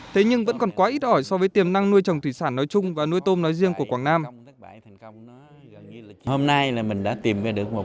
thế nhưng vẫn còn quá ít ỏi so với tiềm năng nuôi trồng thủy sản nói chung và nuôi tôm nói riêng của quảng nam